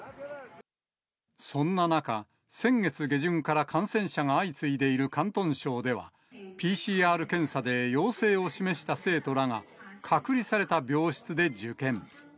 そんな中、先月下旬から感染者が相次いでいる広東省では、ＰＣＲ検査で陽性を示した生徒らが、隔離された病室で受験。